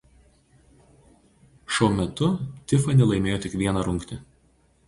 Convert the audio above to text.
Šou metu Tiffanie laimėjo tik vieną rungtį.